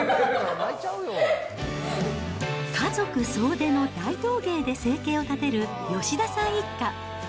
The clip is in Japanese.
家族総出の大道芸で生計を立てる吉田さん一家。